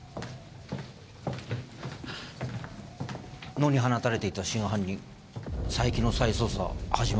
野に放たれていた真犯人佐伯の再捜査始まりました。